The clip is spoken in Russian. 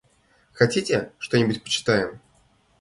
Хотите, что-нибудь почитаем?